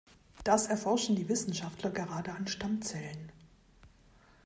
Das erforschen die Wissenschaftler gerade an Stammzellen.